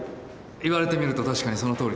言われてみると確かにそのとおりです。